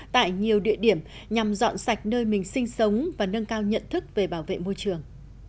tại nhiều địa điểm nhằm dọn sạch nơi mình sinh sống và nâng cao nhận thức về bảo vệ môi trường